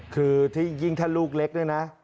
คือจริงถ้าลูกเล็กด้วยนะ